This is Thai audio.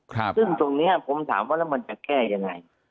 ซึ่งตรงเนี้ยผมถามว่าแล้วมันจะแก้ยังไง